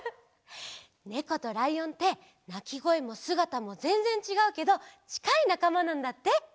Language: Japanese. ねことらいおんってなきごえもすがたもぜんぜんちがうけどちかいなかまなんだって。